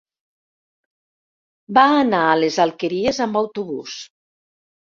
Va anar a les Alqueries amb autobús.